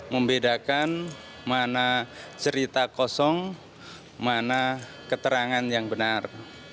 membedakan mana cerita kosong mana keterangan yang benar